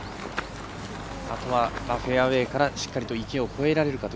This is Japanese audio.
あとはフェアウエーからしっかりと池を越えられるか。